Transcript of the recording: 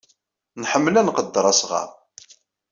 Nḥemmel ad nqedder asɣar.